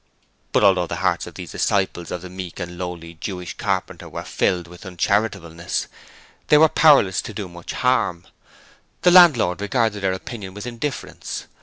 But although the hearts of these disciples of the meek and lowly Jewish carpenter were filled with uncharitableness, they were powerless to do much harm. The landlord regarded their opinion with indifference.